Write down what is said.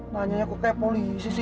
nanya kok kayak polisi sih